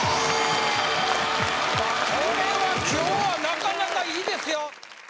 これは今日はなかなかいいですよ